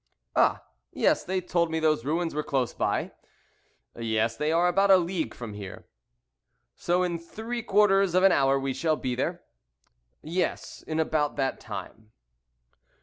"Ah! yes they told me those ruins were close by." "Yes, they are about a league from here." "So in three quarters of an hour we shall be there?" "Yes, in about that time."